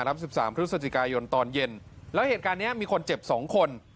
๑๓พฤศจิกายนตอนเย็นแล้วเหตุการณ์เนี้ยมีคนเจ็บ๒คน